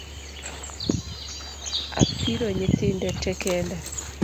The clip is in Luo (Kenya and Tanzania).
Apiro nyithinde tee kenda